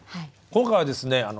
今回はですね